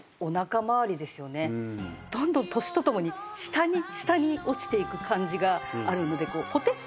どんどん年とともに下に下に落ちていく感じがあるのでポテッていう。